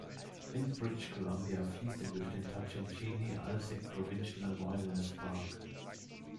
In British Columbia fließt er durch den Tatshenshini-Alsek Provincial Wilderness Park.